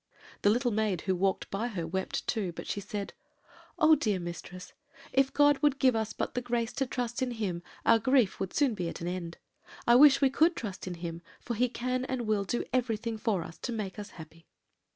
"The little maid who walked by her wept too; but she said: "'Oh, dear mistress! if God would give us but the grace to trust in Him, our grief would soon be at an end. I wish we could trust in Him, for He can and will do everything for us to make us happy.'